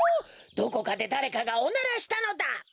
どこかでだれかがおならしたのだ。